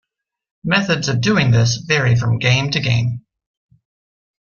Methods of doing this vary from game to game.